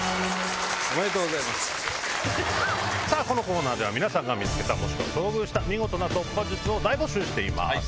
このコーナーでは皆さんが見つけたもしくは遭遇した見事な突破術を大募集しています